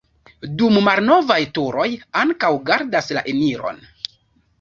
Du malnovaj turoj ankaŭ gardas la eniron.